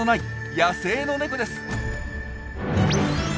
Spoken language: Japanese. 野生のネコです。